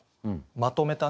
まとめたね。